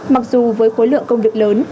mặc dù với khối lượng công việc lớn